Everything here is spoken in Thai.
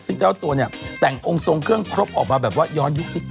ซึ่งเจ้าตัวเนี่ยแต่งองค์ทรงเครื่องครบออกมาแบบว่าย้อนยุคนิดน